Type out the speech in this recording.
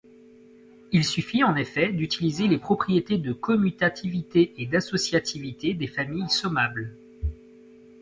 Il suffit en effet d'utiliser les propriétés de commutativité et d'associativité des familles sommables.